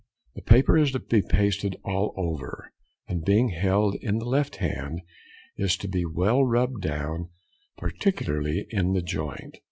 The paper is to be pasted all over, and being held in the left hand, is to be well rubbed down, particularly in the joint.